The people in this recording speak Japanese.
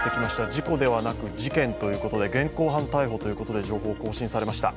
事故ではなく事件ということで現行犯逮捕ということで情報、更新されました。